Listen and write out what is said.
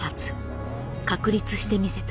確立してみせた。